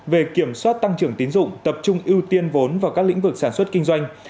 về kiểm soát tăng trưởng tín dụng tập trung ưu tiên vốn vào các lĩnh vực sản xuất kinh doanh